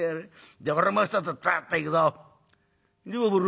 「じゃあ俺も一つつっといくよ」。